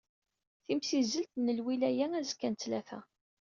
Timsizzelt n lwilaya azekka n ttlata.